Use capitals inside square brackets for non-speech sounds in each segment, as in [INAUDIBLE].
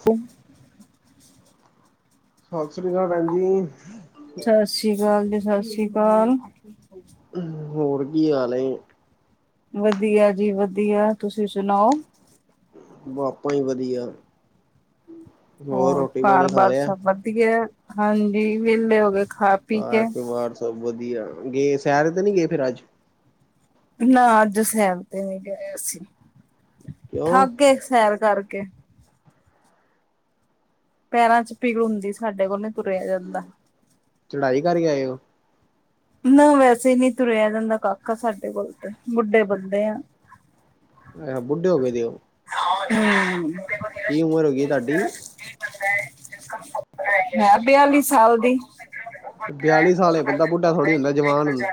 [UNINTELLIGIBLE] ਸਸ਼ਰੀ ਅਕਾਲ ਪੈਣ ਜੀ। ਸਸਿ ਸ਼੍ਰੀ ਅਕਾਲ ਜੀ, ਸਸਿ ਸ਼੍ਰੀ ਅਕਾਲ। ਅਹ ਹੋਰ ਕੀ ਹਾਲ ਏ ਵਦੀਆ ਜੀ ਵਦੀਆ ਤੂਸੀ ਸੁਣਾਓ ਆਪਾ ਵੀ ਵਦੀਆ ਹੋਰ ਕਾਰ-ਬਾਰ ਸਭ ਵਦੀਆ ਹਾਂਜੀ ਵਿਹਲੇ ਹੋਗੇ ਖਾ ਪੀ ਘਰ ਕੇ ਪਰਿਵਾਰ ਸਭ ਵਧੀਆ, ਗੇ ਸੈਰ ਤੇ ਨੀ ਗੇ ਫੇਰ ਅੱਜ? ਨਾ ਅੱਜ ਸੈਰ ਤੇ ਨੀ ਗਏ ਅਸੀਂ, ਕਿਉਂ ਥੱਕ ਗੇ ਸੈਰ ਕਰਕੇ। ਪੈਰਾਂ ਚ ਪੀੜ ਹੁੰਦੀ ਸਾਡੇ ਕੋਲੋਂ ਨੀ ਤੁਰਿਆ ਜਾਂਦਾ। ਚੜਾਈ ਕਰਕੇ ਆਏ ਓ? ਨਾ ਵੈਸੇ ਈ ਨੀ ਤੁਰਿਆ ਜਾਂਦਾ ਕਾਕਾ ਸਾਡੇ ਕੋਲੋ ਤੇ ਬੁੱਢੇ ਬੰਦੇ ਆ। ਅਹ ਬੁੱਢੇ ਹੋਗੇ ਦੇ ਓ। ਹੂੰ। ਕੀ ਉਮਰ ਹੋਗੀ ਆ ਤਾਡੀ? ਮੈਂ ਬਿਆਲੀ ਸਾਲ ਦੀ। ਬਿਆਲੀ ਸਾਲ ਏ ਬੰਦਾ ਬੁੱਢਾ ਥੋੜੀ ਹੁੰਦਾ ਜਵਾਨ ਹੁੰਦਾ।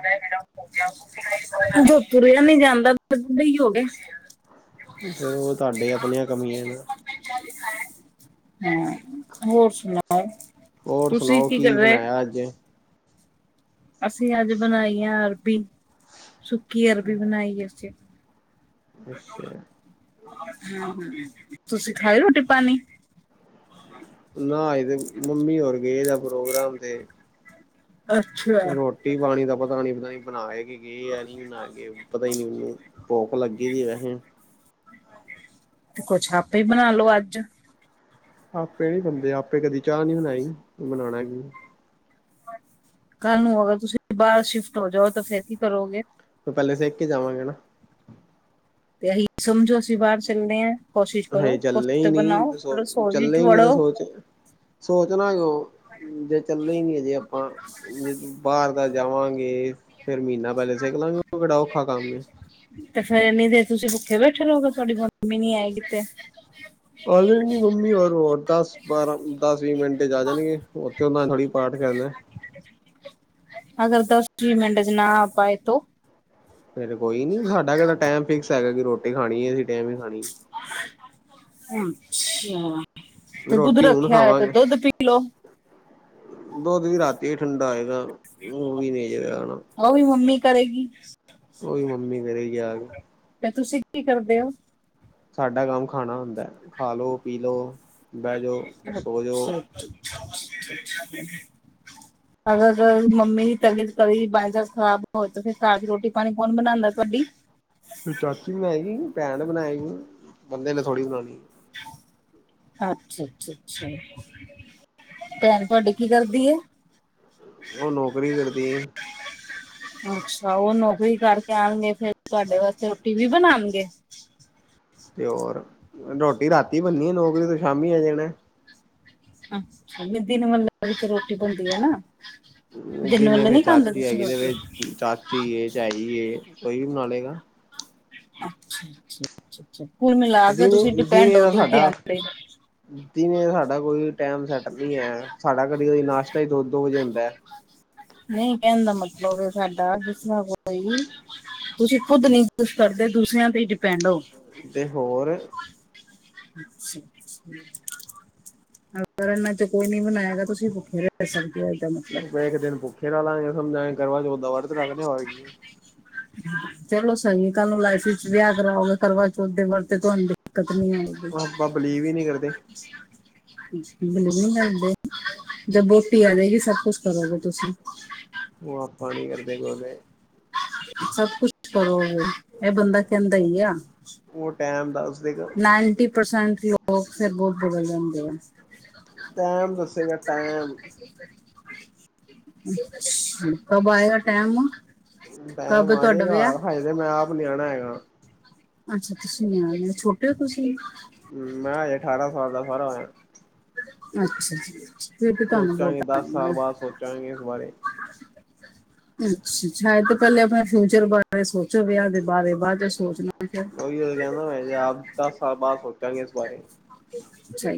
ਜਦੋ ਤੁਰਿਆ ਨੀ ਜਾਂਦਾ ਹੀ ਬੁੱਢੇ ਈ ਹੋਗੇ। ਫੇਰ ਓ ਤਾਡੇ ਆਪਣੀਆਂ ਕਮੀਆਂ ਆ ਨਾ। ਹੂੰ, ਹੋਰ ਸਨਾਓ? ਹੋਰ ਸਨਾਓ ਕੀ ਬਣਾਇਆ ਅੱਜ? ਅਸੀਂ ਅੱਜ ਬਣਾਈ ਆ ਅਰਬੀ ਸੁੱਕੀ ਅਰਬੀ ਬਣਾਈ ਐ ਅਸੀਂ। ਅੱਛਾ। ਹੂੰ-ਹੂੰ, ਤੁਸੀਂ ਖਾਈ ਰੋਟੀ-ਪਾਣੀ? ਨਾ ਆਏ ਤੇ, ਮੰਮੀ ਹੋਰ ਗਏ ਦਾ ਪ੍ਰੋਗਰਾਮ ਤੇ। ਅੱਛਾ। ਰੋਟੀ-ਪਾਣੀ ਦਾ ਪਤਾ ਨੀ ਬਣਾਏਗੀ ਕੀ ਐ ਨੀ ਬਣਾਏਗੀ ਪਤਾ ਈ ਨੀ ਓਨੂੰ। ਭੁੱਖ ਲੱਗੀ ਸੀ ਵੈਸੇ। ਤੇ ਕੁਛ ਆਪੇ ਈ ਬਣਾਲੋ ਅੱਜ। ਆਪੇ ਨੀ ਬਣਦੀ ਆਪੇ ਕਦੀ ਚਾਹ ਨੀ ਬਣਾਈ, ਬਣਾਣਾ ਕੀ ਕੱਲ ਨੂੰ ਅਗਰ ਤੁਸੀਂ ਬਾਰ ਸ਼ਿਫਟ ਹੋ ਜਾਓ ਤਾਂ ਫੇਰ ਕੀ ਕਰੋਗੇ? ਤੇ ਪਹਿਲੇ ਸਿੱਖ ਕੇ ਜਾਵਾਂਗਾ ਨਾ। ਤੇ ਅਸੀਂ ਸਮਝੋ ਅਸੀਂ ਬਾਰ ਚੱਲੇ ਆ। ਕੋਸ਼ਿਸ਼ ਕਰੋ ਹਜੇ ਕੁਛ ਚੱਲੇ ਹੀ ਤੇ ਨੀ ਬਣਾਓ ਸੋ ਰਸੋਈ ਚੱਲੇ ਚ ਹੀ ਨੀ ਤੇ ਵੜੋ। ਸੋਚ ਸੋਚਣਾ ਕਿਉਂ, ਜੇ ਚੱਲੇ ਈ ਨੀ ਹੈਗੇ ਆਪਾਂ। ਜੇ ਬਾਰ ਦਾ ਜਾਵਾਂਗੇ ਫੇਰ ਮੀਨਾ ਪਹਿਲੇ ਸਿੱਖ ਲਾਗੇ ਓ ਕਿਹੜਾ ਔਖਾ ਕੰਮ ਏ। ਤੇ ਫੇਰ ਐਨੀ ਦੇਰ ਤੁਸੀਂ ਭੁੱਖੇ ਬੈਠੇ ਰਹੋਗੇ। ਥੋਡੀ ਮੰਮੀ ਨੀ ਆਏਗੀ ਤੇ। ਆ ਜਾਣਗੇ ਮੰਮੀ ਹੋਰ ਹੋਰ ਦਸ-ਬਾਰਾਂ, ਦਸ-ਵੀਹ ਮਿੰਟ ਚ ਆ ਜਾਣਗੇ, ਉਥੇ ਓਨਾਂ ਥੋੜੀ ਪਾਠ ਕਰਨੈ। ਅਗਰ ਦਸ [UNINTELLIGIBLE] ਮਿੰਟ ਚ ਨਾ ਆ ਪਾਏ ਤੋਂ? ਫਿਰ ਕੋਈ ਨੀ, ਸਾਡਾ ਕੇੜਾ ਟੈਮ ਫਿਕਸ ਹੈਗਾ ਕਿ ਰੋਟੀ ਖਾਣੀ ਅਸੀਂ ਟੈਮ ਨਾ ਈ ਖਾਣੀ। ਅੱਛਾ। ਤੇ ਦੁੱਧ ਰੋਟੀ ਹੁਣ ਰੱਖਿਆ ਐ ਤੇ ਖਾਵਾਂਗੇ ਦੁੱਧ ਪੀਲੋੋ। ਦੁੱਧ ਵੀ ਰਾਤੀ ਠੰਡਾ ਏ ਨਾ, [UNINTELLIGIBLE] ਵੀ [UNINTELLIGIBLE] ਓ ਵੀ ਮੰਮੀ ਕਰੇਗੀ। ਓਵੀ ਮੰਮੀ ਕਰੇਗੀ ਆ ਕੇ। ਤੇ ਤੁਸੀਂ ਕੀ ਕਰਦੇ ਓ? ਸਾਡਾ ਕੰਮ ਖਾਣਾ ਹੁੰਦਾ ਐ, ਖਾ ਲੋ, ਪੀ ਲੋ, ਬਹਿ ਜੋ, ਸੋ ਜੋ। [INAUDIBLE] [INAUDIBLE] ਅਗਰ ਮੰਮੀ ਦੀ ਤਬੀਅਤ ਕਦੀ ਬਾਏ ਚਾਂਸ ਖਰਾਬ ਹੋ ਜਵੇ ਤਾਂ ਫਿਰ ਘਰ ਦੀ ਰੋਟੀ-ਪਾਣੀ ਕੌਣ ਬਣਾਦੈ ਤੁਹਾਡੀ? ਚਾਚੀ ਬਣਾਏਗੀ, ਭੈਣ ਬਣਾਏਗੀ ਬੰਦੇ ਨੇ ਥੋੜੀ ਬਣਾਨੀ ਏ। ਅੱਛਾ, ਅੱਛਾ, ਅੱਛਾ ਭੈਣ ਤੋਹਾਡੀ ਕੀ ਕਰਦੀ ਐ? ਓ ਨੌਕਰੀ ਕਰਦੀ ਏ। ਅੱਛਾ, ਓ ਨੌਕਰੀ ਕਰਕੇ ਆਣਗੇ ਫੇਰ ਤੁਆਡੇ ਵਾਸਤੇ ਰੋਟੀ ਵੀ ਬਣਾਂਣਗੇ। ਤੇ ਹੋਰ, ਰੋਟੀ ਰਾਤੀ ਬਣਨੀ ਏ ਨੌਕਰੀ ਤੋਂ ਸ਼ਾਮੀ ਆ ਜਾਣਾ ਅੱਛਾ, ਨਈ ਦਿਨ ਵੇਲੇ ਵੀ ਤੇ ਰੋਟੀ ਬਣਦੀ ਐ ਨਾਂ। ਦਿਨ ਜਿੰਨੇ ਵੇਲੇ ਫੇਰ ਨੀਂ ਖਾਂਦੇ ਚਾਚੀ ਤੁਸੀਂ ਹੈਗੀ ਤੇ ਰੋਟੀ ਫੇਰ ਚਾਚੀ ਏ, ਚਾਈ ਏ ਕੋਈ ਵੀ ਬਣਾ ਲੇਗਾ। ਅੱਛਾ, ਅੱਛਾ, ਅੱਛਾ ਅੱਛਾ। ਕੁਲ ਮਿਲਾ ਕੇ ਤੁਸੀਂ ਡਿਪੈਂਡ ਓ ਦੂਜਿਆਂ ਤੇ ਦੀਨੇ ਸਾਡਾ ਕੋਈ ਟਾਈਮ ਸੈਟਲ ਨੀਂ ਐ। ਸਾਡਾ ਕਦੀ-ਕਦੀ ਨਾਸ਼ਤਾ ਈ ਦੋ-ਦੋ ਵਜੇ ਹੁੰਦਾ। ਨਈਂ ਕੈਣ ਦਾ ਮਤਲਬ ਏ ਸਾਡਾ, ਜਿਸਰਾਂ ਕੋਈ ਤੁਸੀਂ ਖੁਦ ਨੀਂ ਕੁੱਛ ਕਰਦੇ। ਦੂਸਰਿਆਂ ਤੇ ਈ ਡਿਪੈਂਡ ਓ। ਤੇ ਹੋਰ ਅੱਛਾ ਅੱਛਾ। [UNINTELLIGIBLE] ਮੈਂ ਤੇ ਕੋਈ ਨੀਂ ਬਣਾਏਗਾ ਤੁਸੀਂ ਭੁੱਖੇ ਰੈ ਸਕਦੇ ਓ ਇਦਾ ਮਤਲਬ [INAUDIBLE] ਚਲੋ ਸਈ ਏ, ਕੱਲ ਨੂੰ ਲਾਈਫ ਵਿੱਚ ਵਿਆਹ ਕਰਾਓਗੇ। ਕਰਵਾਚੌਥ ਦੇ ਵਰਤ ਤੁਆਨੂੰ ਦਿੱਕਤ ਨੀਂ ਆਏਗੀ। ਓ ਆਪਾਂ ਬਿਲੀਵ ਨ੍ਹੀਂ ਕਰਦੇ। [INAUDIBLE] ਬਲੀਵ ਨੀਂ ਕਰਦੇ ਜਦ ਬੋਟੀ ਆਜੇਗੀ, ਸਭ ਕੁਛ ਕਰੋਗੇ ਤੁਸੀਂ। ਓ ਆਪਾਂ ਨੀਂ ਕਰਦੇ-ਕੁਰਦੇ ਸਭ ਕੁਛ ਕਰੋਗੇ। ਐ ਬੰਦਾ ਕੈਂਦਾ ਈ ਏ ਆ। ਓ ਟੈਮ ਦੱਸ ਦੇਗਾ। ਨਾਂਈਂਟੀ ਪਰਸੈਂਟ ਲੋਕ ਫਿਰ ਬੋਤ ਬਦਲ ਜਾਂਦੇ ਆ। ਟੈਮ ਦੱਸੇਗਾ ਟੈਮ ਅੱਛਾ, ਕਬ ਆਏਗਾ ਟੈਮ ਟੈਮ ਆਜੇਗਾ, ਹਜੇਦੇ ਮੈਂ ਆਪ ਨਿਆਣਾਂ ਹੈਗਾਂ। ਅੱਛਾ, ਤੁਸੀਂ ਨਿਆਣੇ, ਛੋਟੇ ਤੁਸੀਂ? ਮੈਂ ਹੈਗਾ ਅਠਾਰਾਂ ਸਾਲ ਦਾ ਸਾਰਾ ਹੋਇਆਂ ਅੱਛਾ ਜੀ, ਅੱਛਾ। ਸੋਚਾਂਗੇ ਦਸ ਸਾਲ ਬਾਅਦ ਸੋਚਾਂਗੇ ਇਸ ਬਾਰੇ [UNINTELLIGIBLE] ਅੱਛਾ, ਅੱਛਾ। ਏ ਤੇ ਪੈਲੇ ਆਪਣੇ ਫਿਊਚਰ ਬਾਰੇ ਸੋਚੋਂ। ਵਿਆਹ ਦੇ ਬਾਰੇ ਬਾਅਦ ਚ ਸੋਚਣਾ। ਫਿਰ ਓਈ ਐ ਹੈਗਾ ਨਾਂ, ਵਿਆਹ ਦਸ ਸਾਲ ਬਾਅਦ ਸੋਚਾਂਗੇ ਇਸ ਬਾਰੇ ਸਈ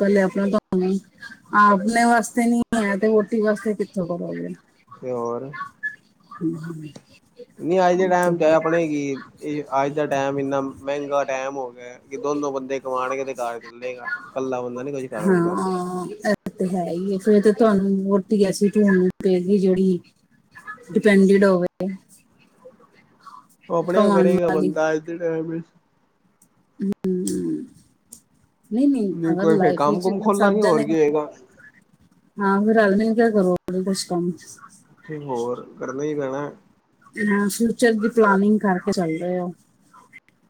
ਗੱਲ ਏ। [UNINTELLIGIBLE] ਆਪਣੇ ਵਾਸਤੇ ਨੀਂ ਹੈ ਤੇ ਵੋਟੀ ਵਾਸਤੇ ਕਿੱਥੋਂ ਕਰੋਗੇ। ਤੇ ਹੋਰ ਹਂ, ਹਂ। ਨਈਂ ਅੱਜ ਦੇ ਟੈਮ ਚ ਆਪਣੇ ਕੀ, ਈ ਅੱਜ ਦਾ ਟੈਮ ਇੰਨਾ ਮੈਂਗਾ ਟੈਮ ਹੋ ਗਿਆ ਕਿ ਦੋਨੋਂ ਬੰਦੇ ਕਮਾਣਗੇ ਤੇ ਘਾਰ ਚਲੇਂਗਾ। ਕੱਲਾ ਬੰਦਾ ਨੀਂ ਕੁੱਝ ਕਰ ਸਕਦਾ। ਏ ਤੇ ਹੈ ਈ ਏ ਫੇ਼ਰ ਤੇ ਤੁਆਨੂੰ ਵੋਟੀ ਐਸੀ ਢੂੰਡਣੀ ਪਏਗੀ, ਜੇੜੀ ਡਿਪੈਂਡਡ ਹੋਵੇ ਓ ਆਪਣੇ ਆਪ ਕਮਾਉਣ ਕਰੇਗਾ ਵਾਲੀ ਬੰਦਾ, ਅੱਜ ਦੇ ਟੈਮ ਵੀ ਹਂ, ਨਈਂ ਨਈਂ, ਨਹੀਂ ਅਗਰ ਕੋਈ ਫੇਰ ਲਾਈਫ਼ ਕੰਮ ਵਿੱਚ ਕੁਮ ਸਭ ਖੋਲਾਂਗੇ ਜਣੈਂ [INAUDIBLE] ਹਾਂ, ਓਹੀ ਰਲ਼-ਮਿਲ਼ ਕੇ ਕਰੋ [UNINTELLIGIBLE] ਕੁਛ ਕੰਮਸ ਤੇ ਹੋਰ ਕਰਨਾ ਈ ਪੈਣਾ। ਹਾਂ, ਫਿਊਚਰ ਦੀ ਪਲਾਨਿੰਗ ਕਰਕੇ ਚੱਲ ਰੇ ਓ।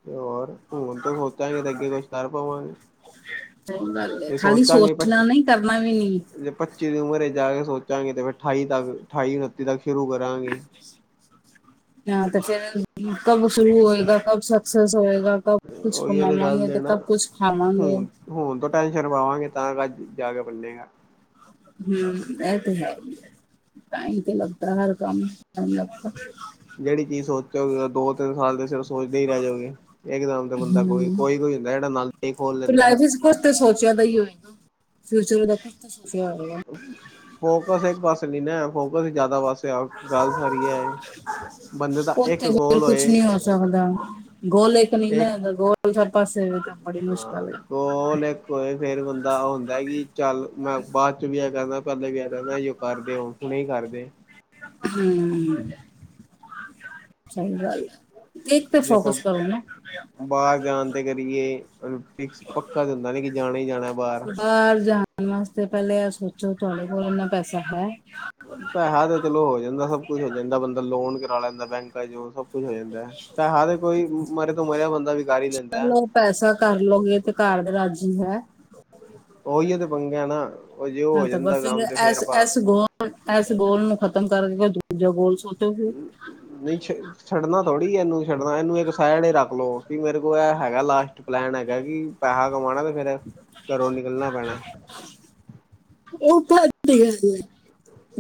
ਤੇ ਹੋਰ, ਹੁਣ ਤੋਂ ਸੋਚਾਂਗੇ ਤੇ ਅੱਗੇ ਕੁਛ ਕਰ ਪਾਵਾਂਗੇ। [INAUDIBLE] ਜੇ ਖਾਲੀ ਸੋਚਾਂਗੇ ਸੋਚਣਾ ਨੀ ਕਰਨਾ ਵੀ ਨੀ। ਪੰਚੀ ਦੀ ਉਮਰ ਵਿਚ ਜਾ ਕੇ ਸੋਚਾਂਗੇ ਤੇ ਫੇਰ ਅਠਾਈ ਤੱਕ ਅਠਾਈ ਉਨੱਤੀ ਤੱਕ ਸ਼ੁਰੂ ਕਰਾਂਗੇ‌। ਹਾਂ ਤੇ ਫੇਰ ਕਬ ਸ਼ੁਰੂ ਹੋਏਗਾ ਕਬ ਸਕਸੈਸ ਹੋਏਗਾ। ਕਬ ਕੁਛ ਉਹੀ ਉਹਦੇ ਗੱਲ ਕਮਾਵਾਂਗੇ ਤੇ ਲੈਣਾ ਕਬ ਕੁਛ ਖਾਵਾਂਗੇ। ਹੁਣ ਹੁਣ ਤੋਂ ਟੈਨਸ਼ਨ ਪਾਵਾਂਗੇ ਤਾਂ [INAUDIBLE] ਜਾ ਕੇ ਬੰਨੇਗਾ। ਹੂੰ ਐ ਤਾਂ ਹੈ ਹੀ ਐ, ਟਾਈਮ ਤੇ ਲੱਗਦਾ ਹਰ ਕੰਮ ਨੂੰ ਟਾਈਮ ਲੱਗਦਾ। ਜਿਹੜੀ ਚੀਜ਼ ਸੋਚੋਗੇ ਉਹ ਦੋ ਤਿੰਨ ਸਾਲ ਦੇ ਸਿਰਫ਼ ਸੋਚਦੇ ਹੀ ਰਹਿ ਜਾਓਗੇ। ਇਕ ਤਾਂ ਹੁੰਦਾ ਦਾ ਬੰਦਾ ਕੋਈ ਹਮ ਕੋਈ ਕੋਈ ਹੁੰਦਾ ਜਿਹੜਾ [INAUDIBLE] ਖੋਲ ਲੈਂਦਾ। ਕੁਛ ਤੇ ਸੋਚਿਆਂ ਦਾ ਹੀ ਹੋਏਗਾ, ਫਿਊਚਰ ਦਾ ਕੁਛ ਤੇ ਸੋਚਿਆਂ ਹੋਏਗਾ। ਫੋਕਸ ਇੱਕ ਪਾਸੇ ਨੀ ਨਾ ਫੋਕਸ ਜ਼ਿਆਦਾ ਪਾਸੇ ਗੱਲ ਸਾਰੀ ਐ ਏ। ਉੱਥੇ ਫ਼ਿਰ ਕੁਛ ਨੀ ਹੋ ਸਕਦਾ, ਗੋਲਕ ਨਹੀਂ ਨਾ ਇੱਕ ਹੈਗਾ ਗੋਲ ਸਭ ਪਾਸੇ ਹੋਵੇ ਤਾਂ ਬੜੀ ਹਾਂ ਮੁਸ਼ਕਲ ਐ। ਗੋਲ ਇੱਕ ਹੋਏ ਫ਼ੇਰ ਬੰਦਾ ਹੁੰਦਾ ਕਿ ਚੱਲ ਮੈਂ ਬਾਅਦ ਚ ਵੀ ਇਹ ਕਰਨਾ ਪਹਿਲੇ ਵੀ ਆ ਕਰਨਾ। ਕਰਦੇ ਓ ਹੁਣੇ ਕਰਦੇ। ਹੂੰ ਸਹੀ ਗੱਲ। ਇੱਕ ਤੇ ਜੇ ਆਪਾਂ ਫੋਕਸ ਕਰੋ ਨਾ। ਬਾਹਰ ਜਾਣ ਤੇ ਕਰੀਏ ਫਿਕ ਪੱਕਾ ਤੇ ਹੁੰਦਾ ਨੀ ਕਿ ਜਾਣਾ ਹੀ ਜਾਣਾ ਬਾਹਰ। ਬਾਹਰ ਜਾਣ ਵਾਸਤੇ ਪਹਿਲੇ ਐ ਸੋਚੋਂ ਤੁਹਾਡੇ ਕੋਲ ਐਨਾ ਪੈਸਾ ਹੈ। ਪੈਹਾ ਤਾਂ ਚਲੋ ਹੋ ਜਾਂਦਾ ਸਭ ਕੁੱਛ ਹੋ ਜਾਂਦਾ ਬੰਦਾ ਲੋਨ ਕਰਾ ਲੈਂਦਾ ਬੈਂਕਾਂ ਚ ਸਭ ਕੁੱਝ ਹੋ ਜਾਂਦਾ, ਪੈਹਾ ਤੇ ਕੋਈ ਮਰੇ ਤੋਂ ਮਰਿਆ ਬੰਦਾ ਵੀ ਕਰ ਈ ਲੈਂਦਾ। ਚਲੋ ਪੈਸਾ ਕਰ ਲਓਗੇ ਤੇ ਘਰ ਦੇ ਰਾਜ਼ੀ ਹੈ। ਓਹੀਓ ਤੇ ਪੰਗਾ ਐ ਨਾ। ਉਹ ਜੇ ਉਹ ਹਾਂ ਹੋ ਤਾਂ ਬਸ ਜਾਂਦਾ ਫ਼ੇਰ ਕੰਮ ਤੇ ਫੇਰ ਐਸ ਆਪਾਂ ਐਸ ਗੋ ਐਸ ਗੋਲ ਨੂੰ ਖ਼ਤਮ ਕਰਕੇ ਕੋਈ ਦੂਜਾ ਗੋਲ ਸੋਚੋ ਫਿਰ। [UNINTELLIGIBLE] ਛੱਡਣਾ ਥੋੜ੍ਹੀ ਇਹਨੂੰ, ਛੱਡਣਾ ਇਹਨੂੰ ਇੱਕ ਸਾਈਡ ਰੱਖ ਲਓ ਕਿ ਮੇਰੇ ਕੋਲ ਇਹ ਹੈਗਾ ਲਾਸਟ ਪਲੈਨ ਹੈਗਾ ਕਿ ਪੈਹਾ ਕਮਾਉਣਾ ਤੇ ਫੇਰ ਘਰੋਂ ਨਿਕਲਣਾ ਪੈਣਾ। ਉਹ ਕਾਹਦੇ ਰਾਜ਼ੀ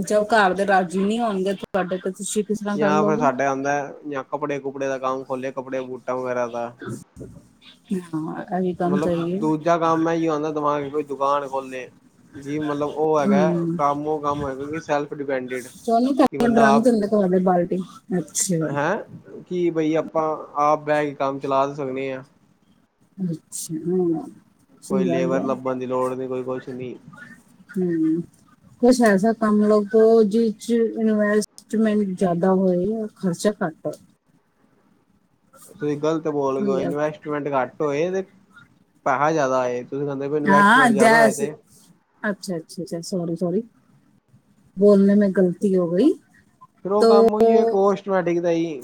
ਜਦੋਂ ਘਰ ਦੇ ਰਾਜ਼ੀ ਨਹੀਂ ਹੋਣਗੇ ਤਾਂ ਤੁਹਾਡੇ ਤੇ ਤੁਸੀਂ ਕਿਸ ਤਰ੍ਹਾਂ ਕਰ ਲੋਗੇ। ਆਂਦਾ ਜਾਂ ਕੱਪੜੇ ਕੁੱਪੜੇ ਦਾ ਕੰਮ ਖੋਲੇ ਕੱਪੜੇ ਬੂਟਾ ਵਗੈਰਾ ਦਾ। [INAUDIBLE] ਹਾਂ ਐਹੀ ਮਤਲਬ ਦੂਜਾ ਕੰਮ ਐ ਹੁੰਦਾ ਜੀ ਦਿਮਾਗ ਕੋਈ ਦੁਕਾਨ ਖੋਲੇ। ਕਿ ਮਤਲਬ ਉਹ ਹੈਗਾ ਹਮ ਕੰਮ ਉਹ ਕੰਮ ਹੈਗਾ ਸੈਲਫ ਡਿਪੈਡਿਡ। [INAUDIBLE] ਤੁਹਾਡੇ ਬਾਲਟੀ ਅੱਛਾ। ਕੀ ਬਈ ਆਪਾਂ ਆਪ ਬਹਿ ਕੇ ਕੰਮ ਚਲਾ ਸਕਦੇ ਆ। ਅੱਛਾ ਹਾਂ। ਕੋਈ ਲੇਬਰ ਸਮਝਾਇਆ ਲੱਭਣ ਦੀ ਲੋੜ ਨੀ ਕੋਈ ਕੁਛ ਨੀ। ਹੂੰ, ਕੁਛ ਐਸਾ ਕੰਮ ਲੱਭੋ ਜਿਸ ਚ ਇਨਵੈਸਟ ਮੈਂਟ ਜ਼ਿਆਦਾ ਹੋਏ ਔਰ ਖ਼ਰਚਾ ਘੱਟ ਆਏ। ਤੁਸੀਂ ਗ਼ਲਤ ਬੋਲ ਗਏ ਓ ਇਨਵੈਸਟਮੈਂਟ ਘੱਟ ਹੋਏ ਤੇ ਪੈਹਾ ਜਿਆਦਾ ਆਏ। ਤੁਸੀਂ ਕਹਿੰਦੇ ਪਏ ਇਨੈਸਟਮੈਂਟ ਜ਼ਿਆਦਾ ਹੋਏ ਤੇ ਅੱਛਾ ਅੱਛਾ ਅੱਛਾ ਸੋਰੀ ਸੋਰੀ ਬੋਲਣੇ ਮੇ ਗ਼ਲਤੀ ਹੋ ਗਈ। ਫਿਰ ਉਹ ਕੰਮ ਓਹ ਈ ਆ ਕੋਸਟਮੈਟਿਕ ਦਾ ਈ।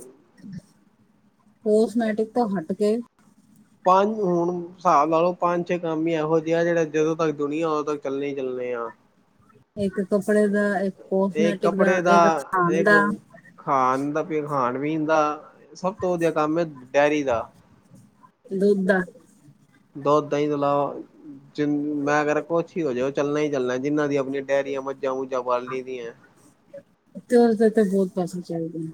ਕੋਸਟਮੈਟਿਕ ਤੋਂ ਹੱਟ ਕੇ ਪੰਜ ਹੁਣ ਸਾਬ ਲਾ ਲੋ ਪੰਜ ਛੇ ਕੰਮ ਈ ਐਹੋ ਜੇ ਐ ਜੇੜੇ ਜਦੋਂ ਤੱਕ ਦੁਨੀਆਂ ਉਦੋਂ ਤੱਕ ਚੱਲਣੇ ਈ ਚੱਲਣੇ ਆ। [INAUDIBLE] ਇੱਕ ਕੱਪੜੇ ਦਾ, ਇੱਕ ਇੱਕ ਕੋਸਟਮੈਟਿਕ ਦਾ, ਕੱਪੜੇ ਇੱਕ ਖਾਣ ਇੱਕ ਦਾ ਖਾਣ ਦਾ, ਪੇ ਖਾਣ-ਪੀਣ ਦਾ ਸਭ ਤੋਂ ਵਧੀਆ ਕੰਮ ਏ ਡੈਰੀ ਦਾ। ਦੁੱਧ ਦਾ ਦੋਧ, ਦਹੀਂ ਤੋਂ ਅਲਾਵਾ ਜਿੰਣ ਮੈਂ ਕੈਰਾ ਕੁਛ ਹੀ ਹੋ ਜੇ ਓਹ ਚੱਲਣਾ ਈ ਚੱਲਣੈ। ਜਿੰਨਾ ਦੀ ਅਪ ਹੁਣੇ ਡੈਰੀਆਂ ਮੱਝਾਂ-ਮੁੱਝਾਂ ਬਾਲ ਲੀ ਦੀਐ। ਤੇ ਓਹਦੇ ਤੇ ਬੌਤ ਪੈਸੇ ਚਾਹੀਦੇ ਨੇ।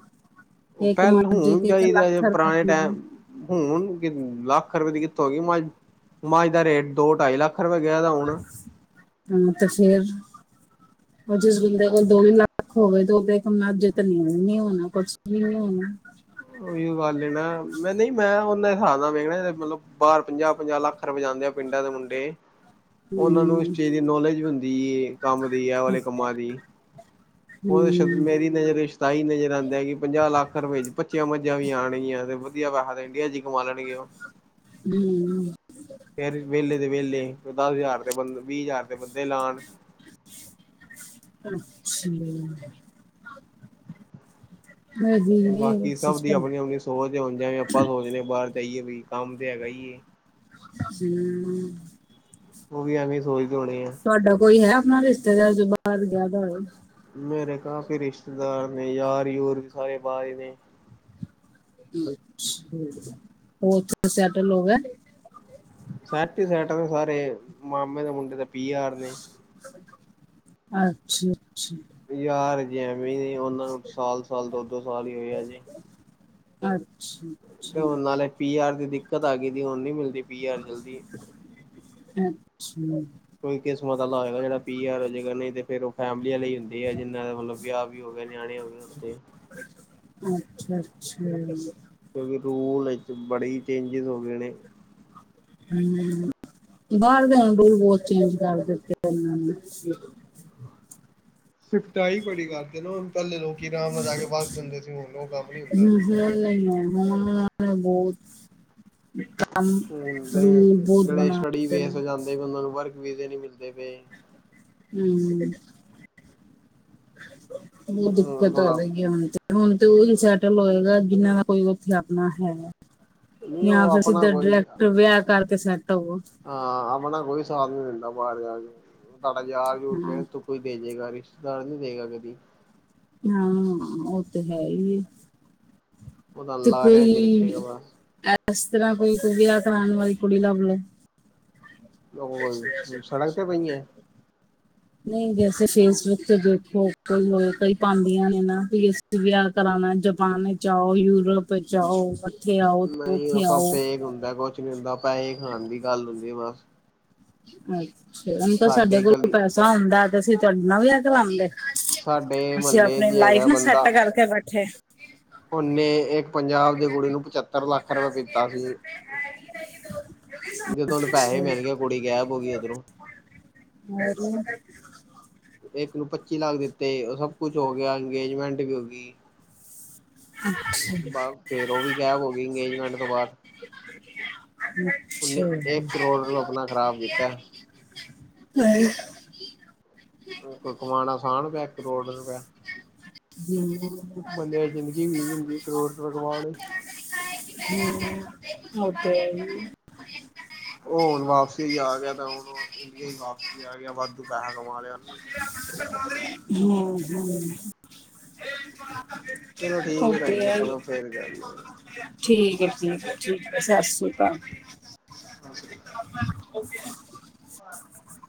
ਓਹ ਇੱਕ ਪੈਲ ਮਰਜ਼ੇ ਹੁਣ ਕੇ ਇੱਕ ਚਾਹੀਦੈ ਜੇ ਲੱਖ ਰੁਪਏ ਪੁਰਾਣੇ ਦੀ ਟੈਮ ਹੁਣ ਕਿ ਲੱਖ ਰੁਪਏ ਦੀ ਕਿਥੋ ਹੋਗੀ ਮਾਝ ਮੱਝ ਦਾ ਰੇਟ ਦੋ-ਢਾਈ ਲੱਖ ਰੁਪਏ ਗਿਆ ਦੈ ਹੁਣ। ਹਾਂ ਤੇ ਫੇਰ ਓਹ ਜਿਸ ਬੰਦੇ ਕੋਲ ਦੋ ਤਿੰਨ ਲੱਖ ਹੋਵੇ ਤੇ ਓਹ ਦੇ ਕਮ ਨਾ ਜੇਤ ਨੀ ਹੋਣੀ ਨੀ ਹੋਣਾ ਕੋਛ ਨੀ ਹੋਣਾ ਓਈਓ ਗੱਲ ਈ ਨਾ, ਮੈਂ ਨਹੀਂ ਮੈਂ ਓਹਨਾ ਸਾਬ ਨਾਲ ਵੇਖਣਾ ਚਾਈਦੈ ਮਤਲਬ ਬਾਰ ਪੰਜਾਹ-ਪੰਜਾਹ ਲੱਖ ਟਰ ਵਜਾਦੇ ਆਂ ਪਿੰਡਾਂ ਦੇ ਮੁੰਡੇ। ਓਹਨਾਂ ਨੂੰ ਇਸ ਚੀਜ਼ ਦੀ ਨੌਲੇਜ ਵੀ ਹੁੰਦੀ ਏ ਕੰਮ ਦੀ ਆ ਵਾਲੇ ਕੰਮਾਂ ਦੀ ਓਹਦੇ ਸ਼ਬਦ ਮੇਰੀ ਨਜ਼ਰ ਏਸ਼ ਤਾਂ ਈ ਨਜ਼ਰ ਆਂਦੈ ਕਿ ਪੰਜਾਹ ਲੱਖ ਰੁਪਏ ਏਚ ਪੱਚੀਆਂ ਮੱਝਾਂ ਵੀ ਆਣਗੀਆਂ ਤੇ ਵਧੀਆ ਪੈਹਾ ਤੇ ਇੰਡੀਆ ਚ ਈ ਕਮਾ ਲੈਣਗੇ ਓਹ। [INAUDIBLE] ਭੀਮ ਫੇਰ ਵੇਹਲੇ ਦੇ ਵੇਹਲੇ ਦਸ ਹਜ਼ਾਰ ਦੇ ਬੰ ਵੀਹ ਹਜ਼ਾਰ ਦੇ ਬੰਦੇ ਲਾਣ। ਅੱਛਾ। ਹ ਜੇ ਨੇ ਬਾਕੀ ਸਭ ਦੀ ਸਿਸਟਮ ਆਪਣੀ ਆਪਣੀ ਸੋਚ ਦੇ ਹੁੰਦੇਆ ਵੀ ਅਪਾਂ ਸੋਚਣੇ ਆ ਬਾਰ ਜਾਈਏ ਵਈ ਕੰਮ ਤੇ ਹੈਗਾ ਹੀਏ। ਹੂੰ। ਓਹ ਵੀ ਐਵੇਂ ਈ ਸੋਚਦੇ ਹੋਣੇ ਐ। ਤੁਆਡਾ ਕੋਈ ਹੈ ਆਪਣਾ ਰਿਸ਼ਤੇਦਾਰ ਜੋ ਬਾਰ ਗਿਆ ਦਾ ਹੋਏ? ਮੇਰੇ ਕਾਫੀ ਰਿਸ਼ਤੇਦਾਰ ਨੇ। ਯਾਰ-ਯੂਰ ਵੀ ਸਾਰੇ ਬਾਰ ਈ ਨੇ। [UNINTELLIGIBLE] ਹੋਰ ਥੇ ਸੈਟਲ ਹੋ ਗਿਐ? ਸੈਟ ਹੀ ਸੈਟ ਨੇ ਸਾਰੇ, ਮਾਮੇ ਦੇ ਮੁੰਡੇ ਤੇ ਪੀ ਆਰ ਨੇ। ਅੱਛਾ, ਅੱਛਾ। ਯਾਰ ਹਜੇ ਐਵੇਂ ਈ ਨੇ ਓਹਨਾਂ ਨੂੰ ਸਾਲ-ਸਾਲ, ਦੋ-ਦੋ ਸਾਲ ਹੀ ਹੋਏ ਆ ਹਜੇ। ਅੱਛਾ। ਤੇ ਹੁਣ ਅੱਛਾ ਨਾਲੇ ਪੀ ਆਰ ਦੀ ਦਿੱਕਤ ਆ ਗੀ ਦੀ, ਹੁਣ ਨੀ ਮਿਲਦੀ ਪੀ ਆਰ ਜਲਦੀ। ਅੱਛਾ। ਕੋਈ ਕਿਸਮਤ ਆਲਾ ਹੋਏਗਾ ਜੇੜਾ ਪੀ ਆਰ ਹੋਜੇ ਗਾ, ਨਹੀਂ ਤੇ ਫੇਰ ਓਹ ਫੈਮਲੀ ਆਲਾ ਈ ਹੁੰਦੀ ਏ ਜਿੰਨਾ ਦੇ ਮਤਲਬ ਵਿਆਹ ਵੀ ਹੋ ਗੇ ਨਿਆਣੇ ਹੋ ਗੇ ਓਥੇ। ਅੱਛਾ, ਅੱਛਾ। ਕਿਉਂਕਿ ਰੂਲ ਏਚ ਬੜੇ ਹੀ ਚੇਂਜਿਸ ਹੋ ਗੇ ਨੇ। ਹੂੰ। ਬਾਰ ਜਾਣ ਦੇ ਵੀ ਬੌਤ ਚੇਂਜ ਕਰ ਦਿੱਤੇ ਐਹਨਾਂ ਨੇ। ਸਿਫਟਾਈ ਬੜੀ ਕਰਦੇ ਹੋਣ ਪੈਲੇ ਲੋਕੀ ਰਾਮ ਨਾਲ ਜਾ ਕੇ ਵਾਸ ਜਾਂਦੇ ਸੀ ਹੁਣ ਓਹ ਕੰਮ ਨੀ ਹੁੰਦਾ। ਨਹੀਂ ਹੈ ਹਾਂ ਮੈਂ ਬੌਤ ਹੁਣ ਤੇ ਜੇੜੇ ਸਟੱਡੀ ਵੇਸ ਤੇ ਜਾਂਦੇ ਪੇ ਓਹਨਾਂ ਨੂੰ ਵਰਕ ਵੀਜੇ ਨੀ ਮਿਲਦੇ ਪਏ। ਹੂੰ। ਉਹ ਹੂੰ ਦਿੱਕਤ ਆ ਥੋੜਾ ਰੀ ਹੈ ਹੂੰ ਹੁਣ ਤੇ, ਹੁਣ ਤੇ ਉਹੀ ਸੈ ਟਲ ਹੋਏਗਾ ਜਿਨਾਂ ਦਾ ਕੋਈ ਉੱਥੇ ਅਪਨਾ ਹੈਗੈ ਨਹੀਂ ਯਾਂ ਉਹ ਫਿਰ ਆਪਣਾ ਸਿੱਧਾ ਕੋਈ ਡਰੈਕਟ ਵਿਆਹ ਕਰਕੇ ਸੈਟ ਹੋਵੋ ਹਾਂ ਅਪਣਾ ਕੋਈ ਸਾਥ ਨੀ ਦਿੰਦਾ ਬਾਰ ਜਾ ਕੇ, ਸਾਡਾ ਯਾਰ ਦੋਸਤ ਹਾਂ ਗਏ ਤੋ ਕੁਛ ਪੇਜੇਗਾ ਵੀ, ਰਿਸ਼ਤਦਾਰ ਨਹੀਂ ਪੇਜੇਗਾ ਕਦੀ। ਹਾਂ ਉਹ ਤੇ ਹੈ ਈ ਯੇ ਉਹ ਤਾਂ ਲਾਰਆਂ ਚ ਰੱਖੇਗਾ ਬਸ ਇਸ ਤਰ੍ਹਾਂ ਕੋਈ [UNINTELLIGIBLE] ਵਾਲੀ ਕੁੜੀ ਲੱਭ ਲੋ। ਅੱਛ ਸਸ਼ਦੇ ਉਹ ਸੜਕ ਤੇ ਪਈਆਂ [UNINTELLIGIBLE] ਨਈ ਵੈਸੇ ਫੇਸਬੁੱਕ ਤੇ ਦੇਖੋ ਕਈ ਔਰ ਕਈ ਪਾਦੀਆਂ ਨੇ ਨਾ ਫੇਸ ਵਯਾਹ ਕਰਾਣੈ ਜਪਾਨ ਚ ਆਓ, ਯੂਰਪ ਚ ਆਓ ਤੇ ਨਈ ਉਹ ਉੱਥੇ ਸਭ ਆਓ ਫੇਕ ਹੁੰਦੈ ਕੁਛ ਨੀ ਹੁੰਦਾ ਪੈਹੇ ਖਾਣ ਦੀ ਗੱਲ ਹੁੰਦੀ ਬਸ। ਅੱਛਾ ਹੁਣ ਤਾਂ ਸਾਡੇ ਕੋਲ ਪੈਸਾ ਹੁੂਦਾ ਤੇ ਅਸੀਂ ਤੁਹਾਡੇ ਨਾਲ ਵਿਆਹ ਕਰਾਂਦੇ। ਸਾਡੇ ਅਸੀ ਮਹੱਲੇ ਅਪਣੀ ਚ ਲਾਈਫ ਹੈਗਾ ਨਾ ਸੈਟ ਕਰਕੇ ਬੈਠੇ। ਉਨੇ ਏਕ ਪੰਜਾਬ ਦੇ ਕੁੜੀ ਨੂੰ ਪਚਤ [UNINTELLIGIBLE] ਜਦੋਂ ਉਨੂੰ ਪੈਹੇ ਮਿਲ ਗਏ ਕੁੜੀ ਗੈਪ ਹੋ ਗੀ ਉੱਧਰੋਂ। ਹਰ [UNINTELLIGIBLE] ਏਕ ਨੂੰ ਪੱਚੀ ਲੱਖ ਦਿੱਤੇ, ਉਹ ਸਭ ਕੁਛ ਹੋ ਗਿਆ, ਅੰਗੇਜਮੈਂਟ ਵੀ ਹੋ ਗੀ ਅੱਛਾ। ਫੇਰ ਉਹ ਵੀ ਗੈਪ ਹੋ ਗੀ ਅੰਗੇਜਮੈਂਟ ਤੋਂ ਬਾਦ ਇੱਕ ਕਰੋੜ ਰੁਪਇਆ ਆਪਣਾ ਅੱਛਾ ਖ਼ਰਾਬ ਕੀਤਾ। [UNINTELLIGIBLE] ਕੋਈ ਕਮਾਣਾ ਅਸਾਨ ਪਯੈ ਕਰੋੜ ਰੁਪਆ। ਬੰਦਆਂ ਦੀ ਜ਼ਿੰਦਗੀ ਵੀ ਨੀ ਹੁੰਦੀ ਕਰੋੜ ਰੁਪਿਆ ਕਮਾ ਲੇ ਹਮ ਔ ਤੇ ਹੈ ਈ। [UNINTELLIGIBLE] ਉਹ ਹੁਣ ਵਾਪਸੀ ਆ ਗਿਆ ਤਾਂ ਹੁਣ ਇੰਡੀਆ ਈ ਵਾਪਸੀ ਆ ਗਯੈ। ਵਾਧੂ ਪੈਹਾ ਕਮਾ ਲਯੈ [UNINTELLIGIBLE] ਹਮ ਹਮ [UNINTELLIGIBLE] ਚਲੋ ਠੀਕ ਏ ਪੈਣ ਜੀ ਆਪਾਂ ਹੁਣ ਫੇਰ ਕਰ ਠੀਕ ਐ ਠੀਕ- ਠੀਕ ਸਸ ਰੀ ਕਾਲ। ਨਮ ਸ੍ਰੀਕ [UNINTELLIGIBLE] ਓਫੀਸ। [INAUDIBLE]